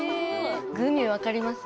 グミ分かります。